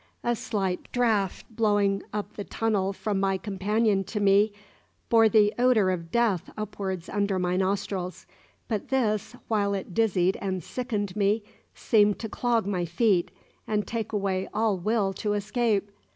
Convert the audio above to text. A slight draught, blowing up the tunnel from my companion to me, bore the odour of death upwards under my nostrils; but this, while it dizzied and sickened me, seemed to clog my feet and take away all will to escape.